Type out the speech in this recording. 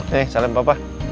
nih salam papa